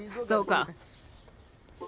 そうか。